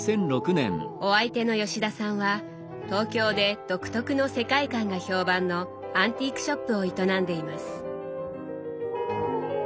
お相手の吉田さんは東京で独特の世界観が評判のアンティークショップを営んでいます。